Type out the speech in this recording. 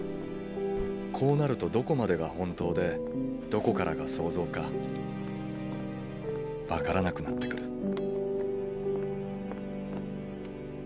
こうなるとどこまでが本当でどこからが想像か分からなくなってくる。